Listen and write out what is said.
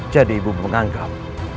jadi bu menganggap